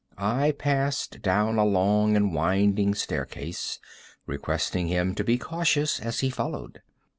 I passed down a long and winding staircase, requesting him to be cautious as he followed.